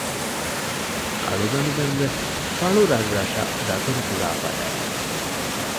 އަޅުގަނޑުމެންވެސް ފަޅުރަށްރަށަށް ދަތުރުދާ ފަދައިން